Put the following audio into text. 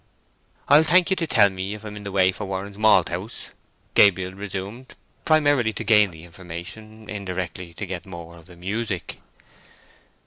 "I'll thank you to tell me if I'm in the way for Warren's Malthouse?" Gabriel resumed, primarily to gain the information, indirectly to get more of the music.